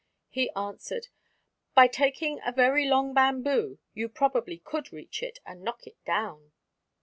He answered: "By taking a very long bamboo, you probably could reach it, and knock it down."